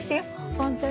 ホントに。